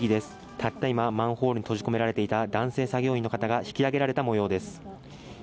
たった今、マンホールに閉じ込められていた男性作業員の方が引き上げられた模様です。